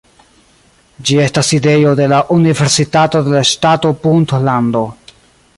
Ĝi estas sidejo de la Universitato de la Ŝtato Puntlando.